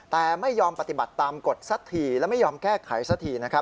แต่ไม่ยอมปฏิบัติตามกฎสัตว์และไม่ยอมแก้ไขสัตว์